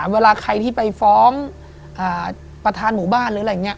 ๓เวลาใครที่ไปฟ้องประธานหมู่บ้าน